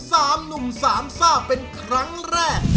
ทีม๓หนุ่ม๓ซ่าเป็นครั้งแรก